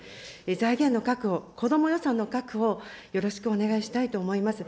財源の確保、こども予算の確保をよろしくお願いしたいと思います。